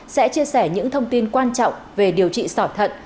sẽ chia sẻ những thông tin quan trọng về điều trị sỏi thận